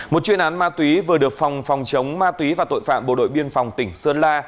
một chuyên án ma túy vừa được phòng phòng chống ma túy và tội phạm bộ đội biên phòng tỉnh sơn la